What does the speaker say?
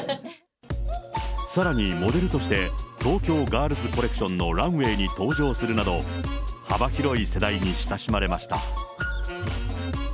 さらにモデルとして、東京ガールズコレクションのランウエーに登場するなど、幅広い世代に親しまれました。